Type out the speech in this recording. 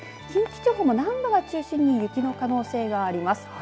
近畿地方も南部を中心に雪の可能性があります。